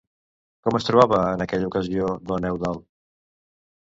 Com es trobava en aquella ocasió don Eudald?